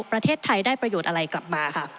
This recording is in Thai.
ประเทศไทยได้ประโยชน์อะไรกลับมาค่ะ